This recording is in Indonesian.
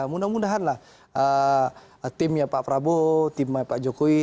mudah mudahan lah timnya pak prabowo timnya pak jokowi